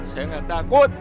saya gak takut